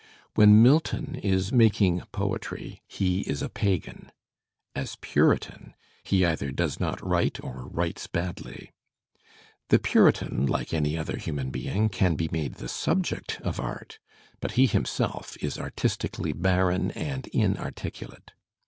When Milton is making poetry he is a pagan: as Puritan he either does not write or writes badly. The Puritan, like any other human being, / can be made the subject of art, but he himself is artistically barren and inarticulate.